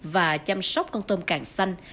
và chăm sóc con tôm càng xanh